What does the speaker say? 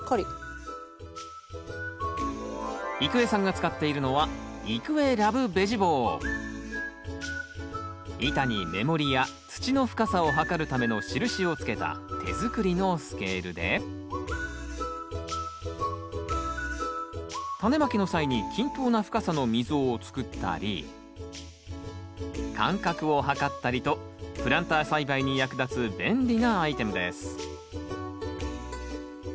郁恵さんが使っているのは板に目盛りや土の深さを測るための印をつけた手作りのスケールでタネまきの際に均等な深さの溝を作ったり間隔を測ったりとプランター栽培に役立つ便利なアイテムです